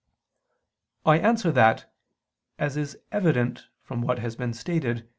I answer that, As is evident from what has been stated (Q.